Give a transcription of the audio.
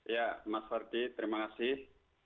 ya mas ferdi terima kasih